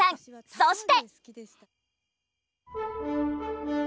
そして。